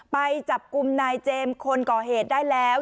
ไปจับกลุ่มนายเจมส์คนก่อเหตุได้แล้ว